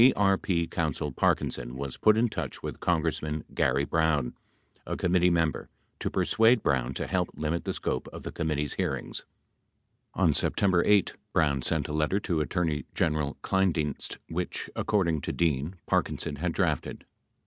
74 According to Dean, CEP counsel Parkinson was put in touch with Congressman Garry Brown, a committee member, to persuade Brown to help limit the scope of the committee's hearings. On September 8, Brown sent a letter to Attorney General Kleindienst which, according to Dean, Parkinson had drafted.